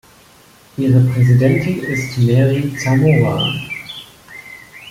Ihre Präsidentin ist Mery Zamora.